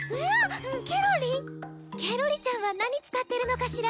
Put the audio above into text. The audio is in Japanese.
ケロリちゃんは何使ってるのかしら？